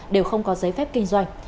đều không có giấy phép kinh doanh